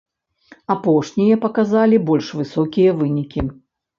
Апошнія паказалі больш высокія вынікі.